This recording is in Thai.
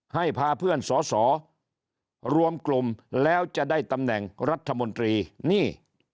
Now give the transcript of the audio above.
พาเพื่อนสอสอรวมกลุ่มแล้วจะได้ตำแหน่งรัฐมนตรีนี่